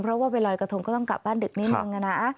เพราะว่าไปลอยกระทงก็ต้องกลับบ้านดึกนิดนึงนะ